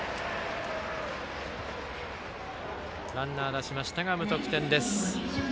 ランナー出しましたが無得点です。